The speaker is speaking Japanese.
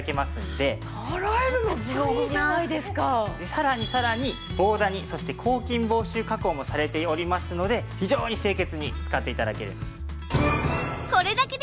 さらにさらに防ダニそして抗菌防臭加工もされておりますので非常に清潔に使って頂けるんです。